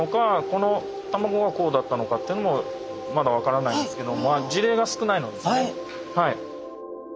この卵がこうだったのかってのもまだ分からないんですけど事例が少ないのですねはい。